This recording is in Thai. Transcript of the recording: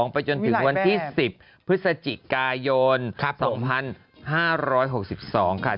ไปจนถึงวันที่๑๐พฤศจิกายน๒๕๖๒ค่ะ